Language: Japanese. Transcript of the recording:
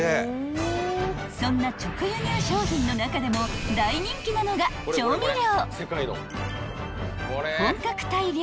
［そんな直輸入商品の中でも大人気なのが調味料］